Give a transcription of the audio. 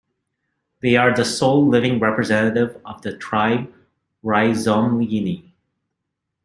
They are the sole living representatives of the tribe Rhizomyini.